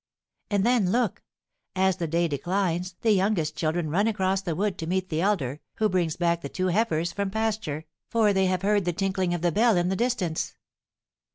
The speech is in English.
And then, look! as the day declines the youngest children run across the wood to meet the elder, who brings back the two heifers from pasture, for they have heard the tinkling of the bell in the distance!"